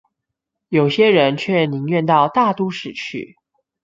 有些人卻寧願到大都市去